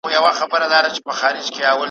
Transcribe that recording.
په بېغمه یې د تور دانې خوړلې ,